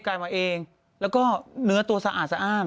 ลายมาเองแล้วก็เนื้อตัวสะอาดสะอ้าน